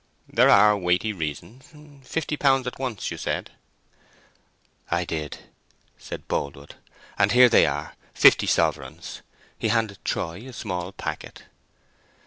"There are weighty reasons. Fifty pounds at once, you said!" "I did," said Boldwood, "and here they are—fifty sovereigns." He handed Troy a small packet.